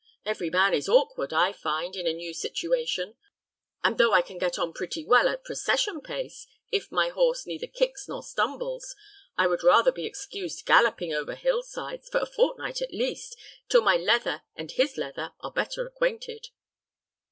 Every man is awkward, I find, in a new situation; and though I can get on pretty well at procession pace, if my horse neither kicks nor stumbles, I would rather be excused galloping over hillsides, for a fortnight at least, till my leather and his leather are better acquainted."